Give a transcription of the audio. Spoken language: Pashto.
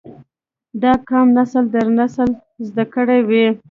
دا قام نسل در نسل زده کړي وي